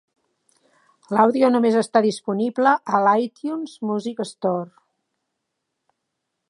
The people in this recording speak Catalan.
L'àudio només està disponible a l'iTunes Music Store.